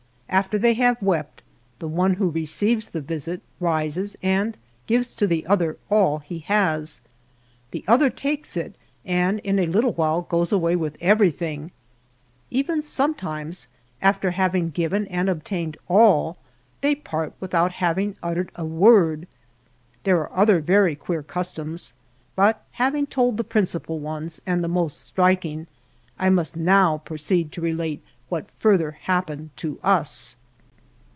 After they have wept the one who receives the visit rises and gives to the other all he has. The other takes it, and in a little while goes away with everything. Even sometimes, after having given and obtained all, they part without having uttered a word. There are other very queer customs, but having told the principal ones and the most striking, I must now proceed to relate what further happened to us.